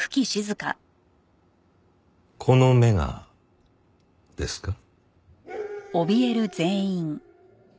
この目がですか？